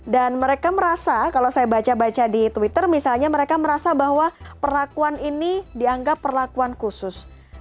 dan mereka merasa kalau saya baca baca di twitter misalnya mereka merasa bahwa perlakuan ini dianggap perlakuan khusus